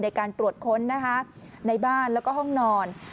ในการตรวจค้นในบ้านและห้องนอน